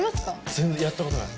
全然やったことない！